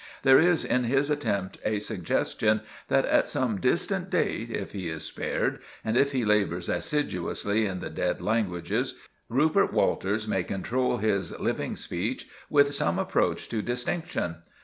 There is in his attempt a suggestion that at some distant date, if he is spared, and if he labours assiduously in the dead languages, Rupert Walters may control his living speech with some approach to distinction.